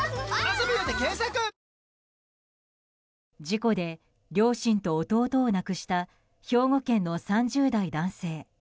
事故で両親と弟を亡くした兵庫県の３０代男性。